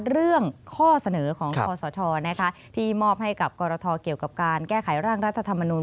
ข้อเสนอของคอสชที่มอบให้กับกรทเกี่ยวกับการแก้ไขร่างรัฐธรรมนูล